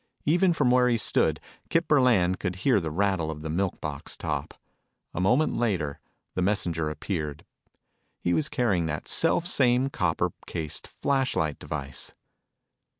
Even from where he stood, Kip Burland could hear the rattle of the milk box top. A moment later, the messenger appeared. He was carrying that self same copper cased flashlight device.